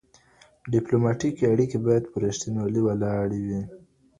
ډیپلوماټیکي اړیکي باید پر رښتینولۍ ولاړي وي.